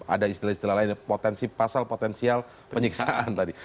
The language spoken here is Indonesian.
ada istilah istilah lainnya pasal potensial penyiksaan tadi